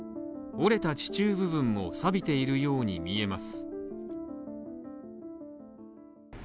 折れた地中部分も錆びているように見えます。